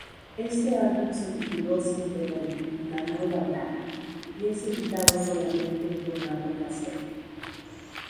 Este álbum se tituló simplemente "Manuela Bravo" y es editado solamente en formato casete.